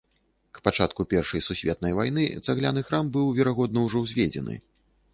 К пачатку першай сусветнай вайны цагляны храм быў, верагодна, ужо ўзведзены.